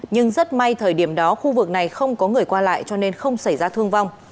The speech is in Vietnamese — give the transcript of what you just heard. nhưng rất may thời điểm đó khu vực này không có người qua lại cho nên không xảy ra thương vong